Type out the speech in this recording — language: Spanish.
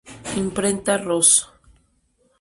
Imprenta Ros.